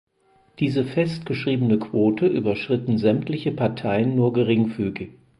Diese festgeschriebene Quote überschritten sämtliche Parteien nur geringfügig.